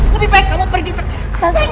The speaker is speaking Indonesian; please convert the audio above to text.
lebih baik kamu pergi sekarang